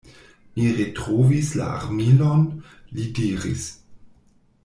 Mi retrovis la armilon, li diris.